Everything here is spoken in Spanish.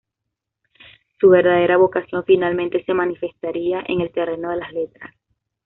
Su verdadera vocación finalmente se manifestaría en el terreno de las Letras.